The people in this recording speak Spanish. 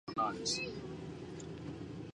Es una moda en las ciudades más modernas del mundo.